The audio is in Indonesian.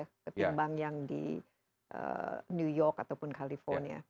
ketimbang yang di new york ataupun california